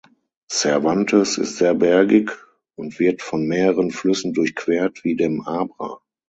Cervantes ist sehr bergig und wird von mehreren Flüssen durchquert, wie dem Abra.